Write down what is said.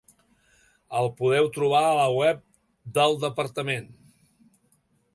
El podeu trobar a la web del departament.